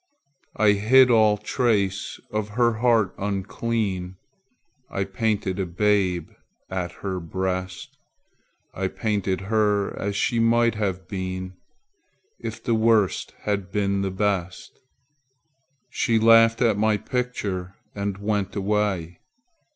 I hid all trace of her heart unclean; I painted a babe at her breast; I painted her as she might have been If the Worst had been the Best. She laughed at my picture and went away.